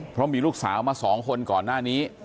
เพราะมีลูกสาวมา๒คนก่อนหน้านี้